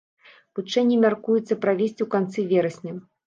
Вучэнні мяркуецца правесці ў канцы верасня.